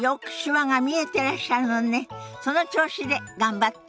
その調子で頑張って。